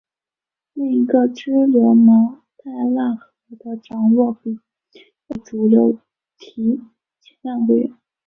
另一个支流马代腊河的涨落要比主流提前两个月。